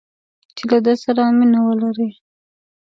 چې له ده سره مینه ولري